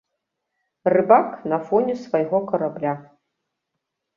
Рыбак на фоне свайго карабля.